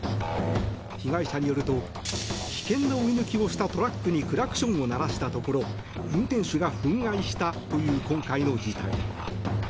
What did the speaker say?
被害者によると危険な追い抜きをしたトラックにクラクションを鳴らしたところ運転手が憤慨したという今回の事態。